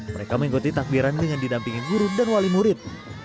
mereka mengikuti takbiran dengan didampingi guru dan wali murid